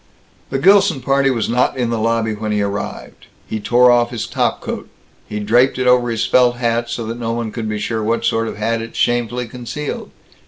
The Gilson party was not in the lobby when he arrived. He tore off his top coat. He draped it over his felt hat, so that no one could be sure what sort of hat it shamefully concealed.